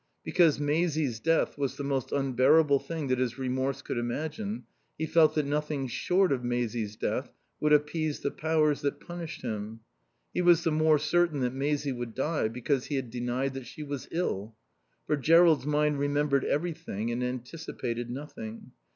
Because Maisie's death was the most unbearable thing that his remorse could imagine, he felt that nothing short of Maisie's death would appease the powers that punished him. He was the more certain that Maisie would die because he had denied that she was ill. For Jerrold's mind remembered everything and anticipated nothing.